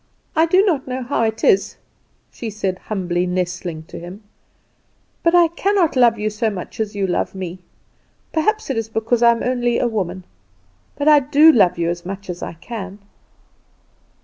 "I do not know how it is," she said humbly, nestling to him, "but I cannot love you so much as you love me. Perhaps it is because I am only a woman; but I do love you as much as I can."